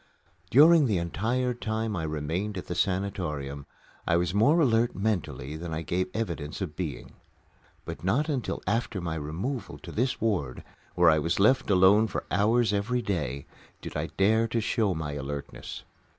During the entire time I remained at the sanatorium I was more alert mentally than I gave evidence of being. But not until after my removal to this ward, where I was left alone for hours every day, did I dare to show my alertness.